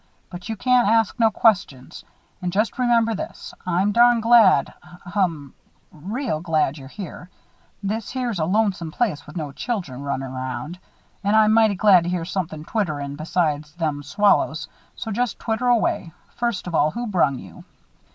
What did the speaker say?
But you can't ask no questions. And just remember this. I'm darn glad hum real glad you come. This here's a lonesome place with no children runnin' 'round; and I'm mighty glad to hear somethin' twitterin' besides them swallows, so just twitter away. First of all, who brung you?"